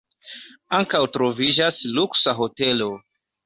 Ankaŭ troviĝas luksa hotelo.